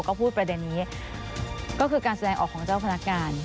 ก็พูดประเด็นนี้ก็คือการแสดงออกของเจ้าพนักงาน